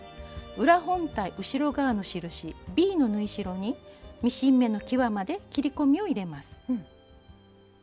裏本体後ろ側の印ｂの縫い代にミシン目のきわまで切り込みを入れます。